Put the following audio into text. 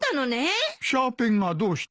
シャーペンがどうした？